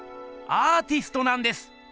アーティストなんです！